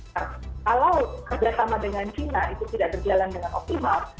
nah kalau kerjasama dengan china itu tidak berjalan dengan optimal